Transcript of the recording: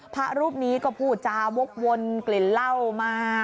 พระรูปนี้ก็พูดจาวกวนกลิ่นเหล้ามา